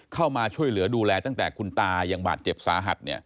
เข้ามาช่วยเหลือดูแลตั้งแต่คุณตายังบาดเจ็บสาหัส